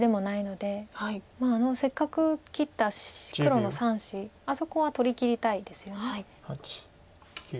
まあせっかく切った黒の３子あそこは取りきりたいですよね。